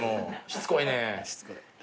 しつこい。